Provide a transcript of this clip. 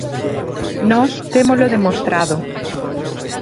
Nós témolo demostrado.